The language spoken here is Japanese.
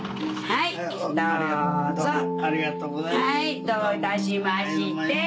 はいどういたしまして。